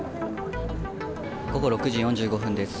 午後６時４５分です。